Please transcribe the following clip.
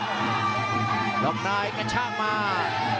ล็อกนายกระชากมา